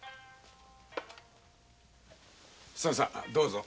さどうぞ。